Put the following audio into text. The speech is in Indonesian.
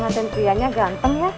pemadam prianya ganteng ya